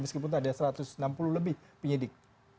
meskipun ada satu ratus enam puluh lebih penyidik